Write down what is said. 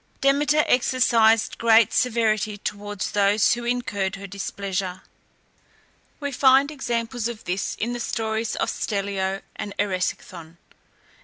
Demeter exercised great severity towards those who incurred her displeasure. We find examples of this in the stories of Stellio and Eresicthon.